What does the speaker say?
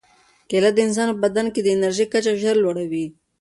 کیله د انسان په بدن کې د انرژۍ کچه ژر لوړوي.